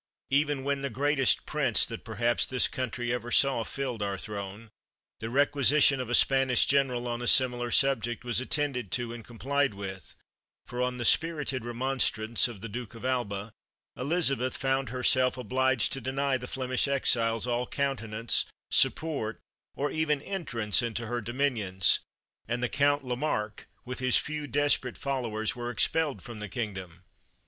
Even when the greatest prince that perhaps this coun try ever saw filled our Throne, the requisition of a Spanish general, on a similar subject, was at tended to and complied with ; for, on the spirited remonstrance of the Duke of Alva, Elizabeth found herself obliged to deny the Flemish exiles all countenance, support, or even entrance into her dominions, and the Count Le Marque, with his few desperate followers, were expelled from the kingdom.